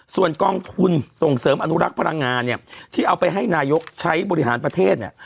ส่วนกองทุนส่งเสริมอนุรักษ์พลังงานเนี่ยที่เอาไปให้นายกใช้บริหารประเทศเนี่ย